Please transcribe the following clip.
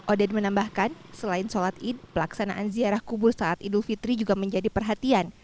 oden menambahkan selain sholat id pelaksanaan ziarah kubur saat idul fitri juga menjadi perhatian